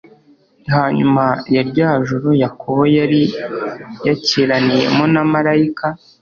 Hanyuma ya rya joro Yakobo yari yakiraniyemo na malayika,